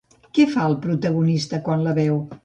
Què fa el protagonista quan la veu?